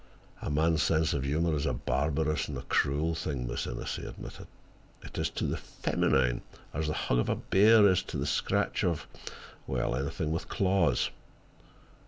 "A man's sense of humor is a barbarous and a cruel thing, Miss Innes," he admitted. "It is to the feminine as the hug of a bear is to the scratch of—well;—anything with claws.